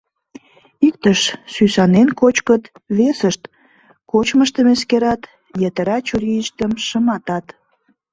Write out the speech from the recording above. Иктышт сӱсанен кочкыт, весышт кочмыштым эскерат, йытыра чурийыштым шыматат.